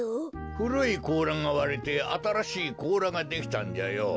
ふるいこうらがわれてあたらしいこうらができたんじゃよ。